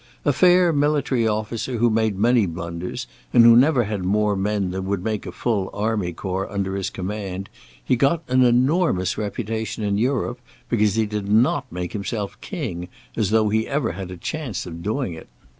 A fair military officer, who made many blunders, and who never had more men than would make a full army corps under his command, he got an enormous reputation in Europe because he did not make himself king, as though he ever had a chance of doing it.